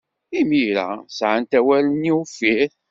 Imir-a, sɛant awal-nni uffir.